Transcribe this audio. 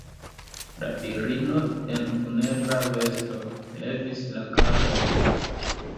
La virino en funebra vesto levis la kapon.